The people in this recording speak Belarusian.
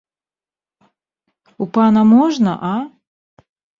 У пана можна, а?